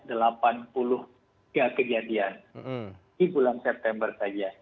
setiap kejadian di bulan september saja